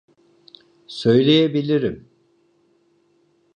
Söyleyebilirim.